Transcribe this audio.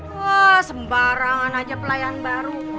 wah sembarangan aja pelayan baru